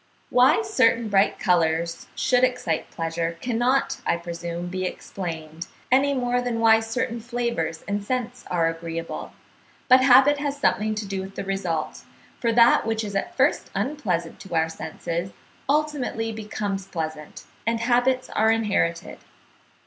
Why certain bright colours should excite pleasure cannot, I presume, be explained, any more than why certain flavours and scents are agreeable; but habit has something to do with the result, for that which is at first unpleasant to our senses, ultimately becomes pleasant, and habits are inherited.